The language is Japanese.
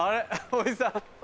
おじさん。